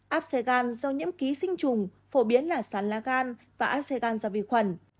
áp xe gan do nhiễm ký sinh trùng phổ biến là sán lá gan và áp xe gan do vi khuẩn